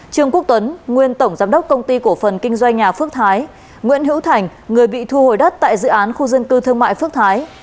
trương quốc tuấn nguyên tổng giám đốc công ty cổ phần kinh doanh nhà phước thái nguyễn hữu thành người bị thu hồi đất tại dự án khu dân cư thương mại phước thái